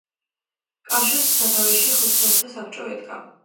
კავშირს სათავეში ხუთასთა საბჭო ედგა.